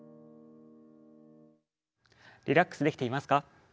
リラックスできていますか？